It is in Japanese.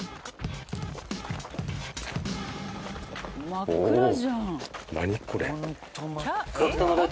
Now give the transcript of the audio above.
真っ暗じゃん。